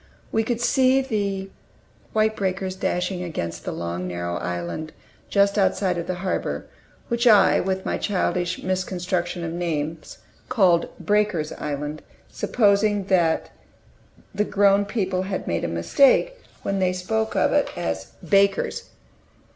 We could see the white breakers dashing against the long narrow island just outside of the harbor, which I, with my childish misconstruction of names, called "Breakers' Island"; supposing that the grown people had made a mistake when they spoke of it as "Baker's."